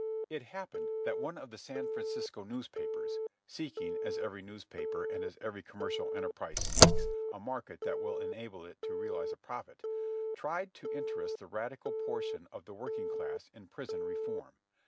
It happened that one of the San Francisco newspapers (seeking, as every newspaper and as every commercial enterprise seeks, a market that will enable it to realize a profit) tried to interest the radical portion of the working class in prison reform.